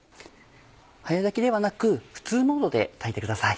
早炊きではなく普通モードで炊いてください。